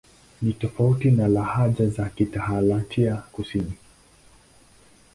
Ni tofauti na lahaja za Kialtai-Kusini.